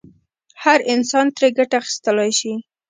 هر انسان ترې ګټه اخیستلای شي.